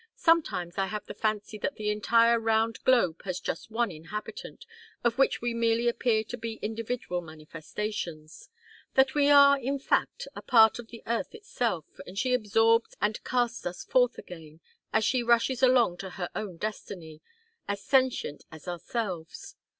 Sometimes I have the fancy that the entire round globe has just one inhabitant, of which we merely appear to be individual manifestations: that we are, in fact, a part of the earth herself, and she absorbs and casts us forth again, as she rushes along to her own destiny as sentient as ourselves.